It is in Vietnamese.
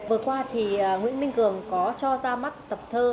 vừa qua thì nguyễn minh cường có cho ra mắt tập thơ